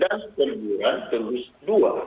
dan tiguran tertulis dua